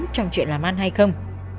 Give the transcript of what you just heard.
trong chuyện làm ăn hay không